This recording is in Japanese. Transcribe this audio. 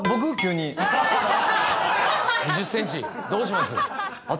２０センチどうします？